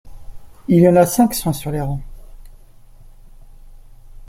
Il y en a cinq cents sur les rangs.